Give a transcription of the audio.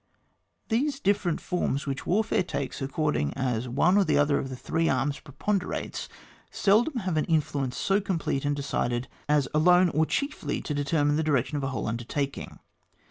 These different forms which warfare takes according as one or other of the three arms preponderates, seldom have an influence so complete and decided as alone, or chiefly to determine the direction of a whole undertaking.